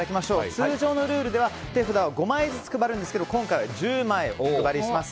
通常のルールでは手札を５枚ずつ配るんですが今回は１０枚お配りします。